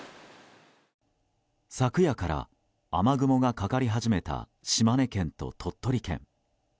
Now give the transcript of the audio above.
昨夜から雨雲がかかり始めた島根県と鳥取県。